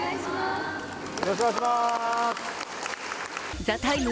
「ＴＨＥＴＩＭＥ，」